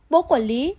bố của lý